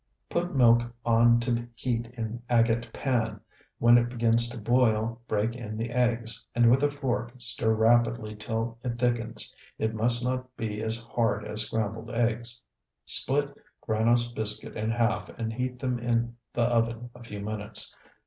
Put milk on to heat in agate pan; when it begins to boil, break in the eggs, and with a fork stir rapidly till it thickens. It must not be as hard as scrambled eggs. Split granose biscuit in half and heat them in the oven a few minutes.